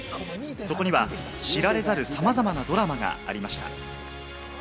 そこには知られざるさまざまなドラマがありました。